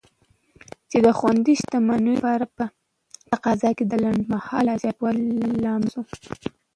چې د خوندي شتمنیو لپاره په تقاضا کې د لنډمهاله زیاتوالي لامل شو.